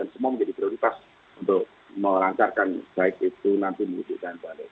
terutama untuk melancarkan baik itu nanti diwujudkan